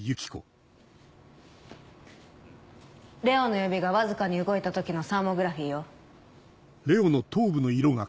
ＬＥＯの指がわずかに動いた時のサーモグラフィーよ。